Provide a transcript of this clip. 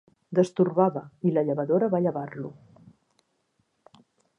Destorbava, i la llevadora va llevar-lo